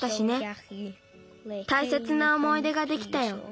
たいせつなおもいでができたよ。